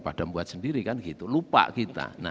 pak adam buat sendiri kan gitu lupa kita